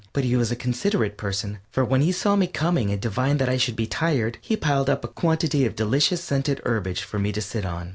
But he was a considerate person, for when he saw me coming and divined that I should be tired, he piled up a quantity of delicious scented herbage for me to sit on.